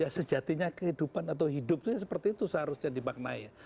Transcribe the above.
ya sejatinya kehidupan atau hidup itu seperti itu seharusnya dimaknai